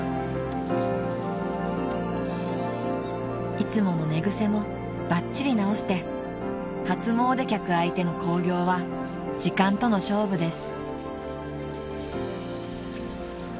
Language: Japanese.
［いつもの寝癖もばっちり直して初詣客相手の興行は時間との勝負です］